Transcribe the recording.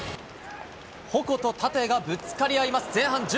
矛と盾がぶつかり合います。